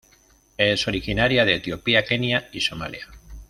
Es originaria de Etiopía, Kenia, y Somalia.